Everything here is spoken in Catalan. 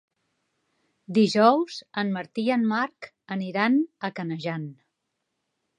Dijous en Martí i en Marc aniran a Canejan.